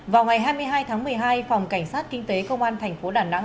vào ngày hai mươi hai tháng một mươi hai phòng cảnh sát kinh tế công an thành phố đà nẵng